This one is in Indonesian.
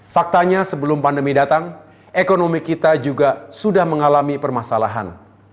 faktanya sebelum pandemi datang ekonomi kita juga sudah mengalami permasalahan